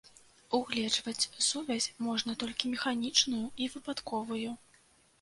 Угледжваць сувязь можна толькі механічную і выпадковую.